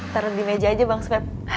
taruh di meja aja bang spep